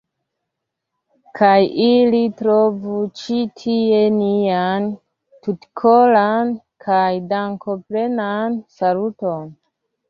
Kaj ili trovu ĉi tie nian tutkoran kaj dankoplenan saluton.